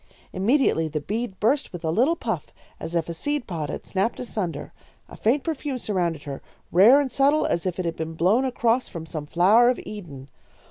"Immediately the bead burst with a little puff, as if a seed pod had snapped asunder. A faint perfume surrounded her, rare and subtle as if it had been blown across from some flower of Eden.